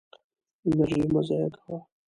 انرژي مه ضایع کوه.